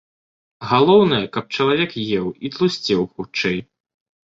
Галоўнае, каб чалавек еў і тлусцеў хутчэй.